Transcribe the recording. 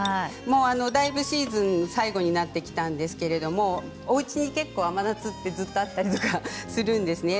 だいぶシーズン最後になってきたんですけれどもおうちに結構、甘夏ってずっとあったりとかするんですね。